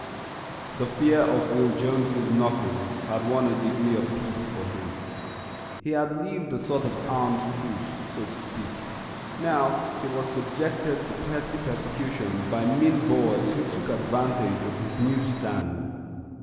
The fear of Will Jones's knuckles had won a degree of peace for him. He had lived a sort of armed truce, so to speak. Now he was subjected to petty persecutions by mean boys who took advantage of his new stand.